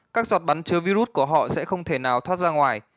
các giọt bắn chứa virus của họ sẽ không thể nào thoát ra ngoài